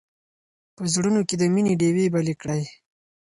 په زړونو کې د مینې ډېوې بلې کړئ.